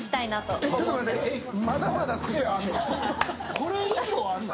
これ以上あんの？